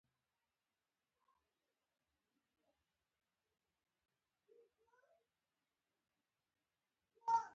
هغه د یوې الکټرونیکي الې مرسته وغوښته